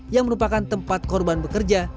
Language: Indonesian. yang merupakan tempat korban bekerja